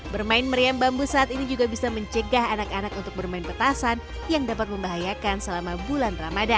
bermain meriam bambu saat ini juga bisa mencegah anak anak untuk bermain petasan yang dapat membahayakan selama bulan ramadan